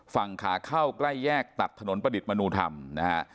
ฝั่งขาเข้าใกล้แยกตัดถนนประดิษฐ์มนุธรรมนะฮะ